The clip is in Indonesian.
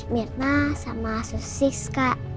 mirna sama susis kak